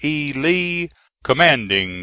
E. LEE, Commanding C.